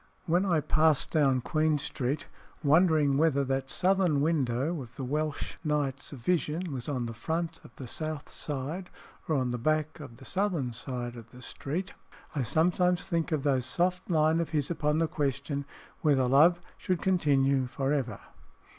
When I pass down Queen Street, wondering whether that southern window of the Welsh knight's vision was on the front of the south side, or on the back of the southern side of the street, I sometimes think of those soft lines of his upon the question "whether love should continue for ever?"